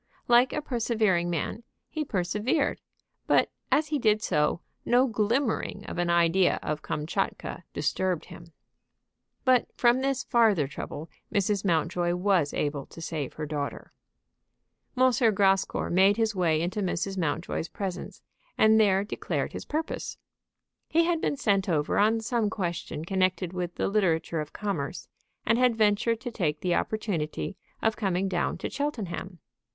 Like a persevering man, he persevered; but as he did so, no glimmering of an idea of Kamtchatka disturbed him. But from this farther trouble Mrs. Mountjoy was able to save her daughter. M. Grascour made his way into Mrs. Mountjoy's presence, and there declared his purpose. He had been sent over on some question connected with the literature of commerce, and had ventured to take the opportunity of coming down to Cheltenham.